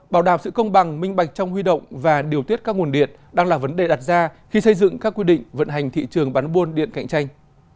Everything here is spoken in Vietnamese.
bảo đảm sự công bằng minh bạch trong huy động và điều tiết các nguồn điện đang là vấn đề đặt ra khi xây dựng các quy định vận hành thị trường bán buôn điện cạnh tranh